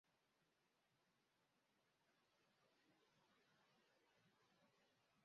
hii ndio hivi Sasa ikafika mahali yani ile muziki ukawa Unanijaa sana kiasi ikafika